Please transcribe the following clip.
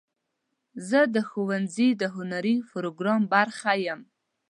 زه د ښوونځي د هنري پروګرام برخه یم.